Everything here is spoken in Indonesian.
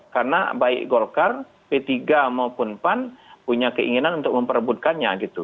karena baik golkar p tiga maupun pan punya keinginan untuk memperebutkannya